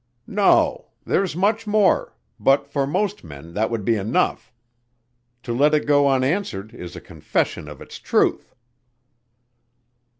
"No! There's much more, but for most men that would be enough. To let it go unanswered is a confession of its truth."